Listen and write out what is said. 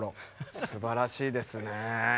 すばらしいですね。